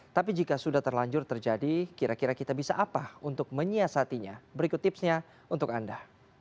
tapi jika sudah terlanjur terjadi kira kira kita bisa apa untuk menyiasatinya berikut tipsnya untuk anda